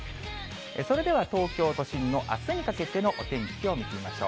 それでは東京都心のあすにかけてのお天気を見てみましょう。